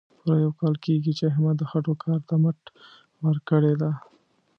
پوره یو کال کېږي، چې احمد د خټو کار ته مټ ورکړې ده.